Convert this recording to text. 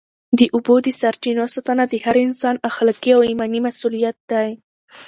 د اوبو د سرچینو ساتنه د هر انسان اخلاقي او ایماني مسؤلیت دی.